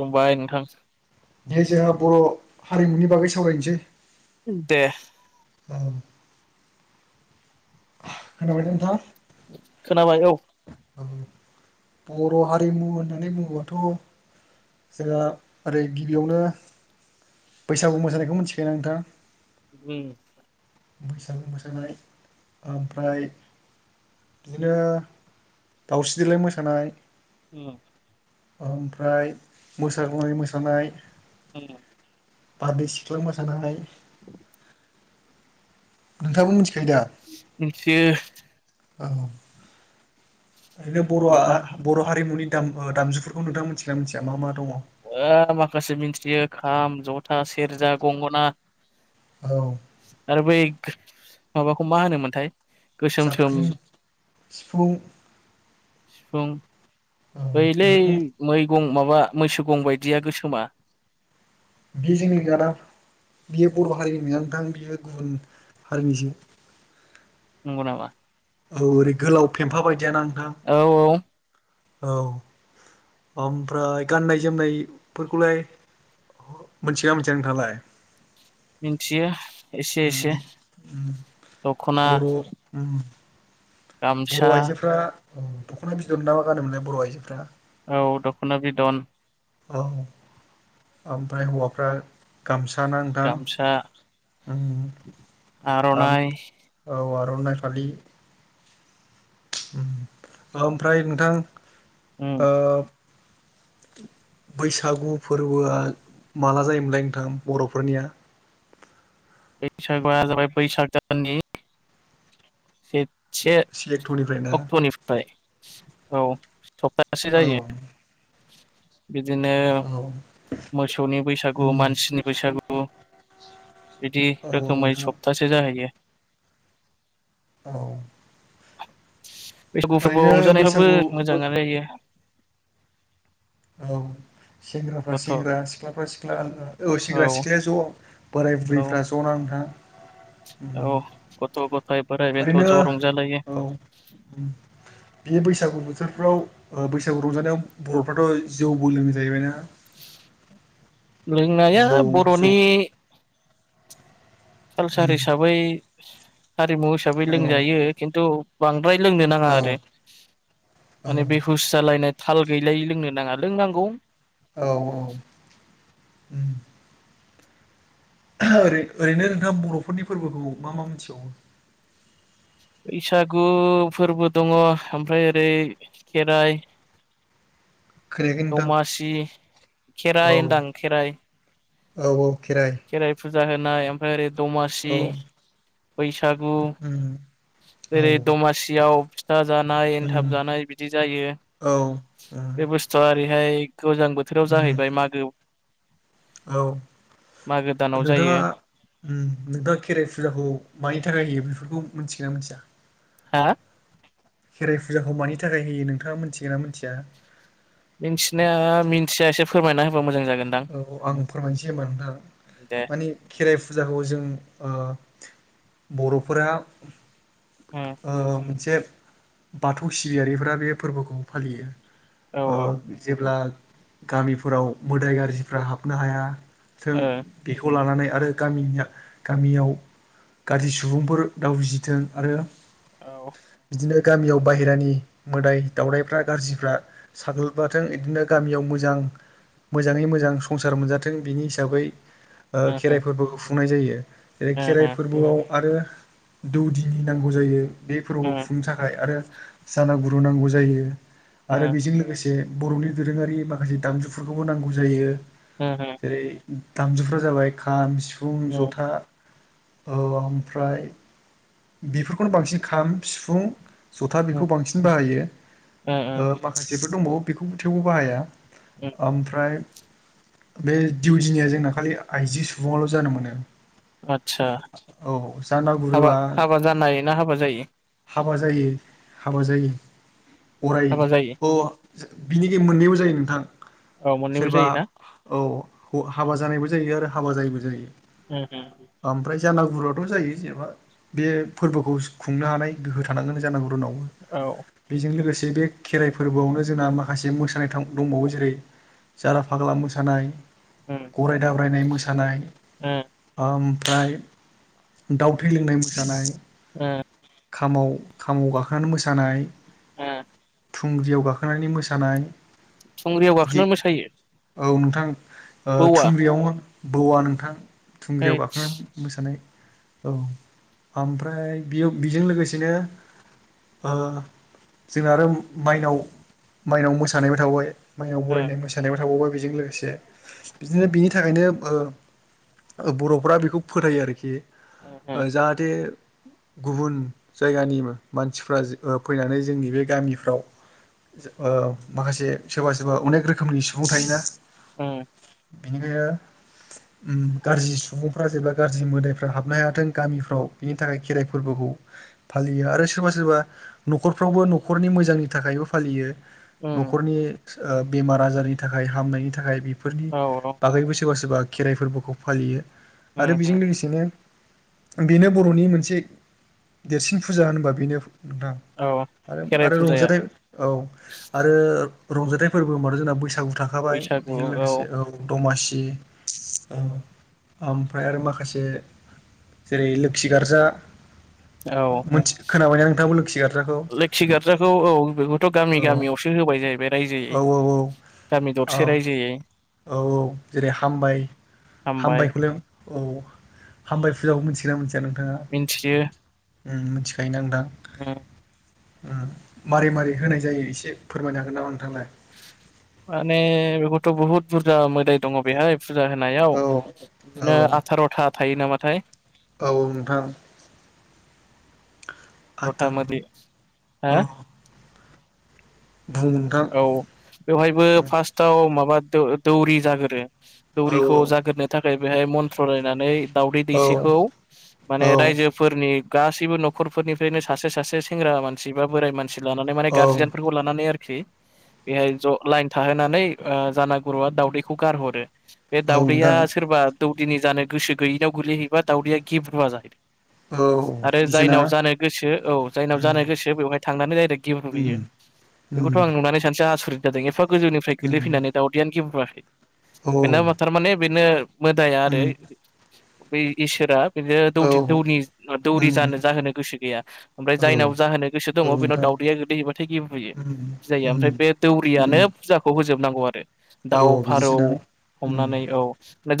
खुलुमबाय नोंथां दे जोंहा बर हारिमुनि बागै सावरायनोसै दे उम खोनाबाय ना नोंथां खोनाबाय औ औ बर हारिमु होननानै बुङोबाथ जोंहा ओरै गिबियावनो बैसागु मोसानायखौ मिथिखायोना नोंथाङा उम बैसागु मोसानाय ओमफ्राय बिदिनो दावस्रि देलाय मोसानाय उम ओमफ्राय मोसाग्लांनाय मोसानाय उम बारदै सिख्ला मोसानायाय [inaudible] नोंथाङाबो मिथिखायो दा मिथियो औ ओरैनो बरआ ओमफ्राय बर हारिमुनि दाम दामजुफोरखौ नोंथांआ मिथियोना मिथिया मा मा दङ? आ माखासे मिथियो खाम जथा सेरजा गंगना औ आरो बै माबाखौ मा होनोमोनथाय? गोसोम सोम जाबख्रिं सिफुं सिफुं औ बैलै बेफोरखौ मैगं माबा मैसो गं बायदिया गोसोमा बेजोंनि गारां बियो बर हारिनि ना नोंथां बियो गुबुन हारिनिसो नंगौ नामा? औ ओरै गोलाव फेमफा बायदियाना? नोंथां औ औ औ ओमफ्राय गाननाय जोमनाय फोरखौलाय मोनथिगोना मोनथिया नोंथांङालाय मिथियो एसे एसे दख'ना बर' ओम बर' गामसा आइजोफ्रा दख'ना बिदन नामा गानोमोनलाय बर' आइजोफ्रा? औ दख'ना बिदन औ ओमफ्राय हौवाफ्रा गामसा ना गामसा नोंथां आर'नाइ औ आर'नाइ फालि ओमफ्राय नोंथां उम ओ [inaudible] बैसागु फोरबोआ माला जायोमोनलाय नोंथां बर'फोरनिया? बैसागो आ जाबाय बैसाग दाननि से सि एक्ट'निफ्राय ना अक्ट'निफ्राय औ सप्तासे जायो। औ बिदिनो औ मोसौनि बैसागु उम मानसिनि बैसागु बिदि औ रोखोमै नोंथां सप्तासे जाहैयो। औ। बैसागु ओरैनो फोरबोआव रंजानायावबो बैसागु मोजाङानो जायो। औ सेंग्राफ्रा गथ' सेंग्रा औ सिख्लाफ्रा सिख्ला औ सेंग्रा सिख्लाया ज' बोराय औ बुरैफ्रा ज' ना नोंथां? उम औ गथ' गथाय बोराय बेन्थ' ओरैनो ज' रंजालायो। औ उम बे बैसागु बोथोरफ्राव बैसागु रंजानायाव बर'फ्राथ' जौबोलोंङो जाहैबाय ना? लोंनाया जौ जौ बर'नि कालसार उम हिसाबै हारिमु हिसाबै औ लोंजायो खिन्थु बांद बांद्राय लोंनो नांङा औ आरो माने बेहुस जालायनाय थाल गैलायै लोंनो नांङा लोंनांगौ औ औ ओरै ओरैनो नोंथां बर'फोरनि फोरबोखौ मा मा मोनथिबावो? बैसागु फोरबो दङ ओमफ्राय ओरै खेराइ खोनायाखै नोंथां दमासि औ खेराइ होनदां खेराइ औ औ। खेराइ फुजा होनाय ओमफ्राय ओरै दमासि औ बैसागु उम औ जेरै उम दमासियाव फिथा जानाय एनथाब जानाय बिदि जायो औ उम बे बुस्थुआ ओरैहाय गोजां बोथोराव उम जाहैबाय मागो औ मागो दानाव नोंथाङा जायो उम नोंथाङा खेराइ फुजाखौ मानि थाखाय होयो बेफोरखौ मिथिगोना मिथिया? हा खेराइ फुजाखौ मानि थाखाय होयो नोंथाङा मिथिगोन ना मिथिया? मिथिनाया मिथिया एसे फोरमायना होबा मोजां जागोन। औ आं फोरमायनोसै होमबा दे नोंथां माने खेराइ फुजा जागौ जों ओ बर'फोरा उम ओ मोनसे बाथौ सिबियारिफोरा बे फोरबोखौ फालियो। औ ओ ओ जेब्ला गामिफोराव मोदाय गाज्रिफ्रा हाबनो हाया। जों औ बेखौ लानानै आरो गामि गामियाव गाज्रि सुबुंफोर दा उजिथों आरो औ। बिदिनो गामियाव बाहहेरानि मोदाय दावरायाइफ्रा गाज्रिफ्रा साग्लोबबाथों बिदिनो गामियाव मो मोजां मोजाङै मोजां संसार मोनजाथों बिनि हिसाबै खेराइ फोरबो खुंनाय जायो। जेरै खेराइ ओहो फोरबोआव आरो दौदिनि नांगौ जायो बे उम फोरबोखौ खुंनो थाखाय आरो जाना गुरु नांगौ जायो आरो उम बेजों लोगोसे जे बर'नि दोरोङारि माखासे दामजुफोरखौबो नांगौ जायो उम उम जेरै दामजुफ्रा जाबाय खाम सिफुं उम ओ जथा औ ओमफ्राय बेफोरखौनो बांसिन खाम सिफुं जथा बेखौ बांसिन बाहायो ओ माखासेफोर दंबावो बेखौ थेवबो बाहाया उम ओमफ्राय बे दिउदिनिया जोंना खालि आइजो सुबुंआल' जानो मोनो। आदसा औ हाबा जानागुरुआ हाबा जानाय ना हाबा जायि हाबा जायो हाबा जायो। अराय हाबा जायि अ बिनि मोननैबो जायो नोंथां। औ मोननैबो सोरबा जायोना औ हाबा जानायबो जायो आरो हाबा जायैबो जायो। उम उम। जानागुरुआथ' जायो जेन'बा बे फोरबोखौ खुंनो हानाय गोहो थानांगोन जानागुरुनाव। औ बेजों लोगोसे बे खेराइ फोरबोआवनो जोंना माखासे मोसानाय दंबावो जेरै जारा फाग्ला मोसानाय उम गराय दाब्रायनाय मोसानाय उम ओमफ्राय दाउ थै लोंनाय मोसानाय ओ खामाव खामाव गाखोनानै मोसानाय उम थुंग्रियाव गाखोनानै मोसानाय। थुंग्रियाव बिदि गाखोनानै मोसायो? औ नोंथां बौवा थुंग्रियावनो बौवा नोंथां थुंग्रियाव हैस गाखोनानै मोसानाय औ ओमफ्राय बे बेजों लोगोसेनो जोंना आरो माइनाव माइनाव मोसानाय बो थाबाय माइआव उम बरायनाय मोसानायबो थाबावबाय बेजों लोगोसे बिदिनो बिनि बिनि थाखायनो बर'फोरा बेखौ फोथायो आरोखि उम जाहाथे गुबुन जायगानि मानसिफ्रा फैनानै जोंनि बे गामिफ्राव माखासे सोरबा सोरबा अनेक रोखोमनि सुबुं थायोना औ बिनिखायनो गाज्रि सुबुंफ्रा जेब्ला गाज्रि मोदायफ्रा हाबनो हायाथों गामिफ्राव बिनि थाखाय खेराइ फोरबोखौ [inaudible] फालियो आरो सोरबा सोरबा न'खरफ्रावबो न'खरनि मोजांनि थाखायबो फालियो। उम न'खरनि बेमार आजारनि थाखाय हामनायनि थाखाय बेफोरनि औ बागैबो सोरबा सोरबा खेराइ फोरबोखौ फालियो उम आरो उम बेजों लोगोसेनो बेनो बर'नि मोनसे देरसिन फुजा होनबा बेनो नोंथां औ आरो खेराइ आरो फुजाया रंजाथाइ औ आरो रंजाथाइ फोरबो होनबाथ' जोंना बैसागु थाखाबाय बेजों लोगोसे औ दमासि औ ओमफ्राय आरो माखासे जेरै लोखि गार्जा औ मोनथि खोनाबायना नोंथाङाबो लोखि गार्जाखौ लोखि गार्ज्राखौ औ बेखौथ' गामि औ गामियावसो होबाय जाहैबाय औ रायजोयै गामि औ दरसे रायजोयै औ औ जेरै हामबाय हामबाय हामबायखौ औ हामबाय फुजाखौ मिथिगोना मोनथिया नों? मिथियो। मिथिखायो ना नोंथां? [inaudible] मारै मारै होनाय जायो एसे फोरमायनो हागोन नामा? नोंथाङालाय माने बेखौथ' बुहुद बुरजा मोदाय दङ बेहाय फुजा होनायाव औ औ बिदिनो आथार'था थायो नामाथाय? औ नोंथां आथार' औ [inaudible] बुं नोंथां औ बेवहायबो फार्स्टआव माबा द दौरि जागोरो औ दौरिखौ जाग्रोनो थाखाय बेहाय मन्थ्ररायनानै दावदै औ दैसेखौ माने औ रायजोफोरनि गासैबो न'खरफोरनिफ्रायनो सासे सासे सेंग्रा मानसि बा बोराइ मानसि लानानै माने औ गारजेनफोरखौ लानानै आरोखि बेहाय ज लाइन थाहोनानै जाना गुरुआ दाावदैखौ गारहरो बे औ दाउदैया नोंथां सोरबा दौदिनि जानो गोसो गैयिनाव गोगलैहैबा दाउदैया गेब्रुया जाहैदों। औ आरो बिदिसोना जायनाव जानो गोसो औ जायनाव उम जानो गोसो बेवहाय थांनानै दायरेक्ट उम गेब्रुहैयो। बेखौथ' उम आं नुनानै सानसे आसरिद जादों एफा गोजौनिफ्राय गोल्लै उम फैनानै दावदैयानो गेब्रुआखै औ बेनो थारमाने बेनो मोदाया उम आरो बै इसोरा बिदिनो औ द दौ दौरि उम जानो जाहोनो गोसो गैया ओमफ्राय औ जायनाव जाहोनो गोसो औ दङ बेनाव नोंथां दा दैया गोदैबाथाय गेब्रयो उम जायो उम ओमफ्राय बे उम दौरियानो फुजाखौ होजोबनांगौ आरो दाउ औ फारौ बिदिसोना उम हमनानै औ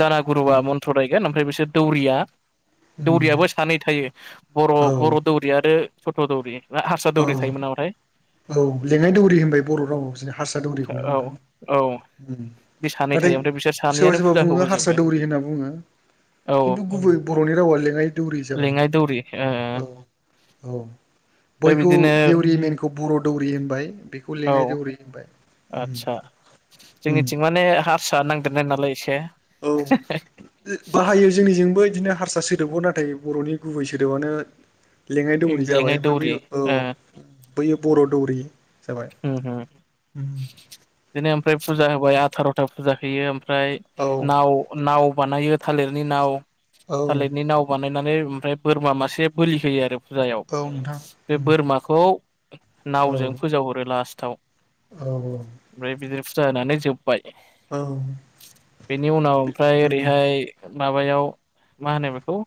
जारागुरुवा उम मन्थ्र रायगोन ओमफ्राय बेसो दौरिया उम दौरियाबो सानै थायो बर' औ बर' दौरि आरो सथ' दौरि ना हारसा दौरि औ थायोमोन नामाथाय औ लेङाइ दौरि होनबाय बर' रावाव हारसा दौरिखौनो औ नोंथां औ बे सानै नाथाय थायो ओमफ्राय बिसोर सोरबा सानैयानो सोरबा फुजाखौ बुङो हारसा होजोबो दौरि होनना बुङो औ खिन्थु गुबै बर'नि रावा लेङाइ दौरि जाबाय लेङाइ दौरि ओ औ ओमफ्राय औ बयखौ बिदिनो देवरि मेनखौ बर' दौरि होनबाय बेखौ औ लेङाइ दौरि होनबाय उम आदसा उम जोंनिथिं माने हारसा नांदेरनाय नालाय एसे औ बाहायो जोंनिजोंबो बिदिनो हारसा सोदोबाव नाथाय बर'नि गुबै सोदोबानो लेङाइ दौरि जाबाय लेङाइ ओमफाय दौरि बैयो औ ओ बैयो बर' दौरि जाबाय हुम हुम उम बिदिनो ओमफ्राय फुजा होबाय आथार'था फुजा होयो ओमफ्राय औ नाव नाव बानायो थालिरनि नाव औ थालिरनि नाव बानायनानै ओमफ्राय बोरमा मासे बोलि होयो आरो फुजायाव औ नोंथां बे उम बोरमाखौ औ नावजों फोजावहरो लास्टाव औ ओमफ्राय बिदिनो फुजा होनानै जोब बाय औ बेनि उनाव ओमफ्राय उम ओरैहाय माबायाव मा होनो बेखौ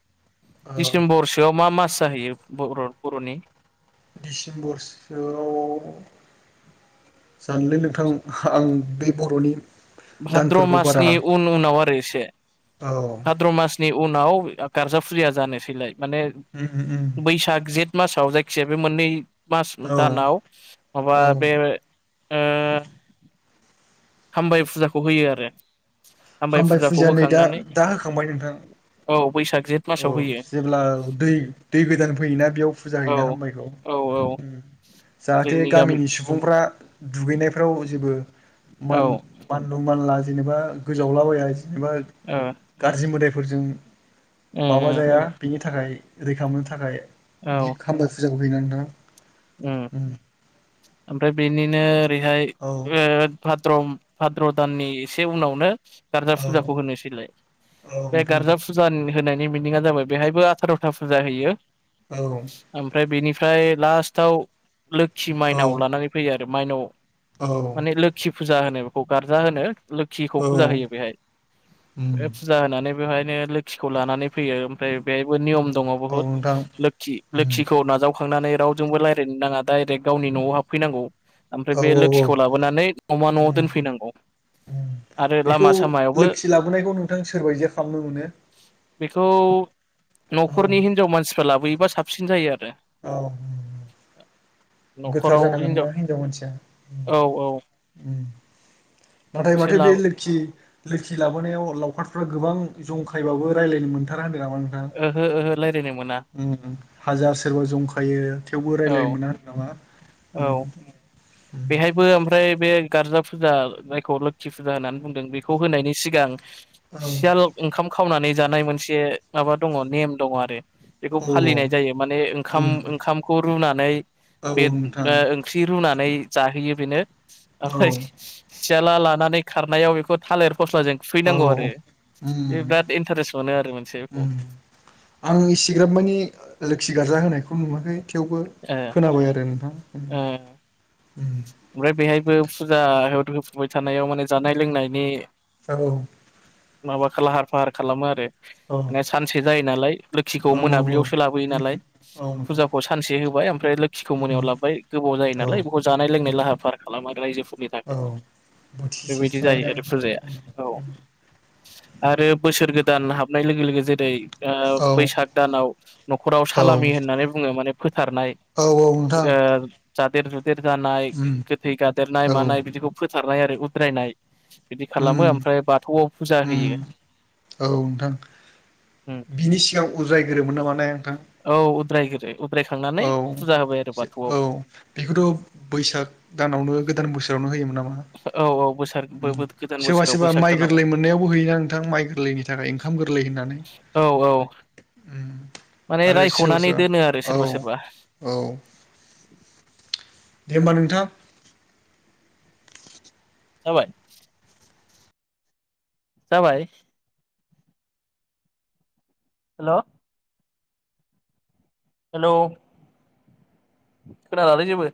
ओ डिसेम्बरसोआव मा मास जाहैयो बर बर'नि डिसेम्बरसोआव जानलै नोंथां आं बे बर'नि भाद्र दानफोरखौ बारा मासनि उन उनाव आरो एसे औ भाद्र मासनि उनाव गारजाफुरिया जानोसैलाय माने उम उम बैसाग जेठ मासाव जायखिजाया बे मोननै मास औ दानाव माबा बे ओ हामबाय फुजाखौ होयो आरो हामबाय फुजाखौ फुजाया नै दा होखांनानै दा होखांबाय नोंथां औ बैसाग जेठ औ मासाव होयो जेब्ला दै दै गोदान फैयोना बेयाव फुजा औ होयोना हामबायखौ औ औ जाहाथे जोंनि गामि गामिनि सुबुंफ्रा दुगैनायफ्राव जेबो औ मान ओ मानलु मानला जेनेबा गोजावलाबाया जेनेबा उम गाज्रि मोदायफोरजों माबा उम जाया बिनि थाखाय रैखा मोननो थाखाय औ बि खामबास फुजाखौ होयोना नोंथां? उम ओमफ्राय बेनिनो ओरैहाय ओ भाद्रम भाद्र' दाननि एसे उनावनो गारजा फुजाखौ होनोसैलाय। बे गारजा फुजानि होनाय मिनिङा जाबाय बेयावबो आथारथा फुजा होयो उम औ नोंथां औ ओमफ्राय बिनि ओमफ्राय लास्टाव लोखि माइनाव लानानै फैयो आरो माइनाव औ माने लोखि फुजा होनो बेखौ गारजा होनो लोखिखौ औ फुजा होयो बेहाय उम बे फुजा होनानै बेवहायनो लोखिखौ लानानै फैयो ओमफ्राय बेहायबो नियम दङ औ बुहुत नोंथां लोखि उम लोखिखौ नाजावखांनानै रावजोंबो रायलायनो नाङा डाइरेक गावनि न'आव हाबफैनांगौ ओमफ्राय औ बे औ औ लोखिखौ लाबोनानै न'मा न'आव उम दोनफैनांगौ। आरो बेखौ लामा सामायावबो लोखि लाबोनायखौ नोंथां सोरबायदिया खालामनो मोनो? बेखौ औ न'खरनि हिनजाव मानसिफ्रा लाबोयोबा साबसिन जायो आरो। औ। गोथार जानांगोन ना हिनजाव मानसिया? औ औ नाथाय एसे माथो बे लाबो लोखि लोखि लाबोनायाव लावखारफ्रा गोबां जंखायबाबो रायज्लायनो मोनथारानो होनदों नामा नोंथां? ओहो ओहो रायज्लायनो मोना उम हाजार सोरबा जंखायो थेवबो रायलायनो औ मोना होनदों नामा? औ बेहायबो ओमफ्राय बे गारजाफोर फुजा जायखौ लोखि फुजा होननानै बुंदों बेखौ होनायनि सिगां सियाल ओंखाम खावनानै जानाय मोनसे माबा दङ नेम दङ आरो। बेखौ औ फालिनाय जायो माने ओंखाम उम ओंखामखौ रुनानै औ बे नोंथां ओ ओंख्रि रुनानै जाहोयो बेनो औ ओमफ्राय सियाला लानानै खारनायाव बेखौ थालेर फस्लाजों औ खुबैनांगौ आरो उम बे बिराद इन्टारेस्ट मोनो आरो मोनसे बेखौ उम आं एसेग्राब माने लोखि गार्जा होनायखौ नुवाखै थेवबो ओ खोनाबाय आरो नोंथां। ओ ओमफ्राय बेहायबो फुजा होफुबाय थानायाव माने जानाय लोंनायनि औ माबा लाहार-फाहार खालामो आरो माने नोंथां सानसे जायो नालाय लोखिखौ उम मोनाब्लियावसो लाबोयो नालाय फुजाखौ सानसे होबाय ओमफ्राय लोखिखौ मोनायाव लाबोबाय गोबाव जायो औ नालाय बेखौ जानाय औ लोंनाय लाहार फाहार खालामो आरो रायजोफोरनि थाखाय। औ बेबायदि जायो बोथिसेस्रायनो। आरो फुजाया औ आरो बोसोर गोदान हाबनाय लोगो लोगो जेरै ओ औ बैसाग दानाव न'खराव औ सालामि होननानै बुङो माने सारनाय नोंथां ओ जादेर जुद गुदेर जानाय उम गोथै गादेरनाय औ मानाय बिदिखौ फोथारनाय आरो उद्रायनाय बिदि खालामो उम ओमफ्राय बाथौआव फुजा उम होयो। औ नोंथां उम बिनि सिगां उद्रायग्रोयोमोन नामा ने नोंथां? औ उद्रायगोरो उद्रायखांनानै औ फुजा होबाय आरो बाथौआव औ बेखौथ' बैसाग दानावनो गोदान बोसोरावनो होयोमोन नामा? औ औ बोसोर उम गोदान सोरबा बोसोराव सोरबा बैसाग माइ दानाव गोरलै मोननायावबो होयोना नोंथां माइ गोरलैनि थाखाय ओंखाम गोर औ औ। उम माने आरो रायख'नानै दोनो सोरबा आरो सोरबा औ औ। दे होमबा नोंथां। जाबाय? जाबाय? हेल' हेल खोनालालै जेबो